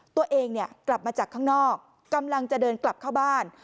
ตัวเองกลับมาจากข้างนอกกำลังจะเดินกลับเข้าบ้าน